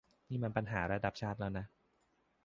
นี่มันปัญหาระดับชาติแล้วนะ